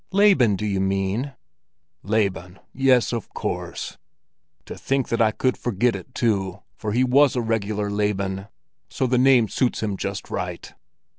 "Laban, do you mean?" "Laban, yes of course! To think that I could forget it, too, for he was a regular Laban, so the name suits him just right.